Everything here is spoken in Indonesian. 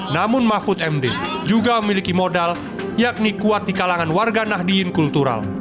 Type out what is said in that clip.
namun mahfud md juga memiliki modal yakni kuat di kalangan warga nahdien kultural